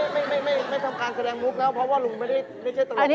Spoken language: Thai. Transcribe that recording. นี่ไม่ธรรมค์พอแล้วเพราะว่าลุงไม่ใช่ตรงว่านี้